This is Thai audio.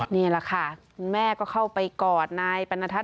นี่แหละค่ะคุณแม่ก็เข้าไปกอดนายปรณทัศ